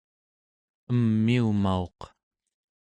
emiumauq